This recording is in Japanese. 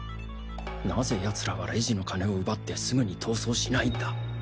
なぜ奴らはレジの金を奪ってすぐに逃走しないんだ。